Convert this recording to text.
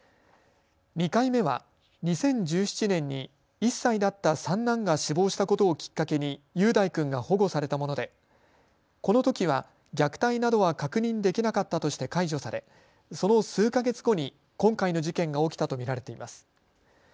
２回目は、２０１７年に１歳だった三男が死亡したことをきっかけに雄大君が保護されたものでこのときは虐待などは確認できなかったとして解除されその数か月後に今回の事件が起きたと見られています。